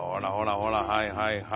ほらはいはいはい。